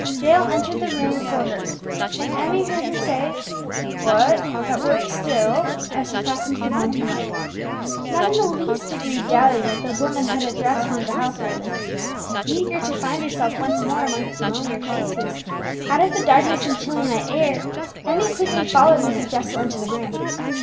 Jael entered the room before her, and Emmie heard her say, "What! at work still?" as she passed into the warmth and light. Not in the least degree doubting that the woman had addressed one of the household, and eager to find herself once more amongst familiar faces, out of the darkness and chilly night air, Emmie quickly followed Mrs. Jessel into the room.